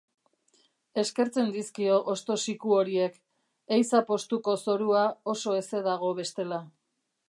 Eskertzen dizkio hosto siku horiek, ehiza postuko zorua oso heze dago bestela.